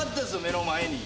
目の前に。